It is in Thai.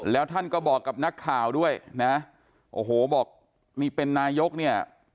แล้วท่านก็บอกกับนักข่าวด้วยนะโอ้โหบอกนี่เป็นนายกเนี่ย